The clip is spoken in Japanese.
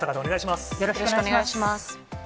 よろしくお願いします。